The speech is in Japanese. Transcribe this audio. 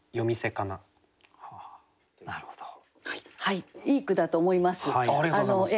いい句だと思います。